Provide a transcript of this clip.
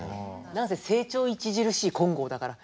何せ「成長著しい金剛」だから。